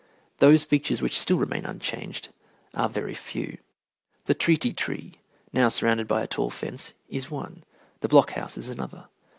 Those features which still remain unchanged are very few. The Treaty Tree, now surrounded by a tall fence, is one, the block house is another.